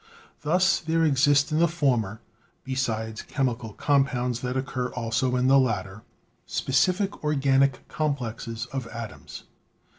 Thus, there exist in the former, besides chemical compounds that occur also in the latter, specific organic complexes of atoms.